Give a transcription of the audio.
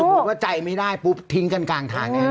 ถ้าสมมุติว่าใจไม่ได้ปุ๊บทิ้งกันกลางทาง